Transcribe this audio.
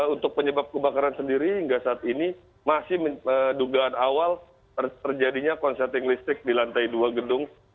untuk penyebab kebakaran sendiri hingga saat ini masih dugaan awal terjadinya konserting listrik di lantai dua gedung